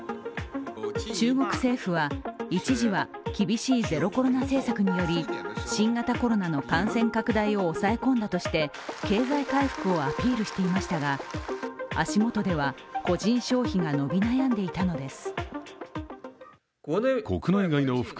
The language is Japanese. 中国政府は一時は厳しいゼロコロナ政策により新型コロナの感染拡大を抑え込んだとして経済回復をアピールしていましたが、足もとでは個人消費が伸び悩んでいたのです。